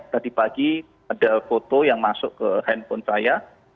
tadi pagi ada foto yang masuk ke handphone saya